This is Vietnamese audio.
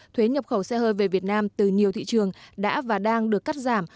thuế nhập khẩu xe hơi về việt nam từ nhiều thị trường đã và đang được cắt giảm